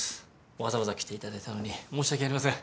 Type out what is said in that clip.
わざわざ来ていただいたのに申し訳ありません。